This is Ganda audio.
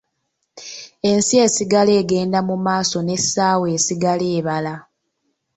Ensi esigala egenda mu maaso n’essaawa esigala ebala.